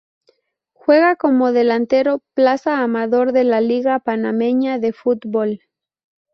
Juega como delantero Plaza Amador de la Liga Panameña de Fútbol.